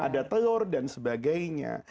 ada telur dan sebagainya